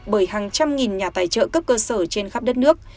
bởi hàng trăm nghìn nhà tài trợ cấp cơ sở trên khắp đất nước